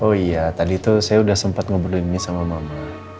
oh iya tadi tuh saya udah sempet ngobrolin sama mama